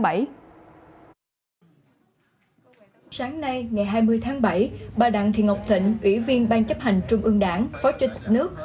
sáng nay ngày hai mươi tháng bảy bà đặng thị ngọc thịnh ủy viên ban chấp hành trung ương đảng phó chủ tịch nước